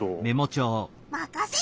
まかせろ！